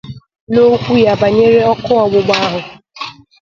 N'okwu ya banyere ọkụ ọgbụgba ahụ